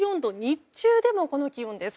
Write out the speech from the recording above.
日中でもこの気温です。